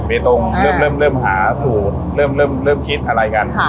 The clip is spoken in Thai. เบตงเริ่มหาสูตรเริ่มคิดอะไรกัน